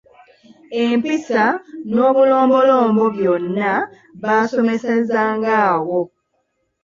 Empisa n'obulombolombo byonna baasomesezanga awo.